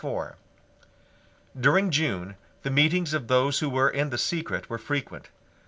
During June the meetings of those who were in the secret were frequent.